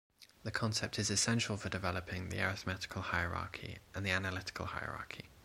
The concept is essential for developing the arithmetical hierarchy and the analytical hierarchy.